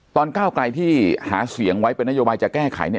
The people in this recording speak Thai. ตอนก้าวกายที่หาเสียงไว้เป็นนโยบายจะแก้ไข